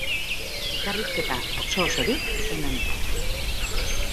Elkarrizketa, oso-osorik, hemen.